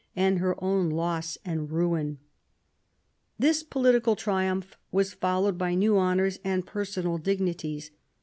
nd her own loss and ruin. This political triumph was followed by new honours and )ersonal dignities.